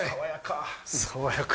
爽やか。